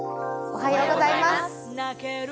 おはようございます。